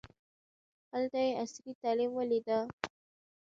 هلته یې عصري تعلیم ولیده.